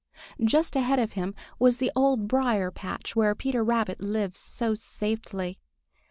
Just ahead of him was the Old Briar patch where Peter Rabbit lives so safely.